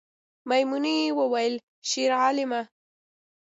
میمونۍ وویل شیرعالمه